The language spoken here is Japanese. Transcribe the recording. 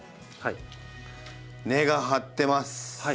根が張ってます。